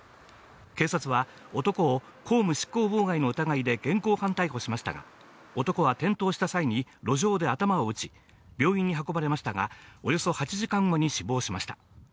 警察は男を公務執行妨害の疑いで現行犯逮捕しましたが、男は転倒した際に路上で頭を打ち、病院に運ばれましたが、およそ８時間後に死亡しました。